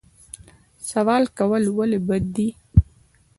سوال کول ولې بد دي؟